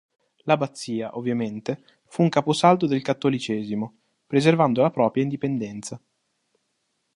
L'abbazia, ovviamente, fu un caposaldo del cattolicesimo, preservando la propria indipendenza.